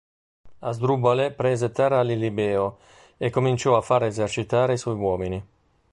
Asdrubale prese terra a Lilibeo e cominciò a far esercitare i suoi uomini.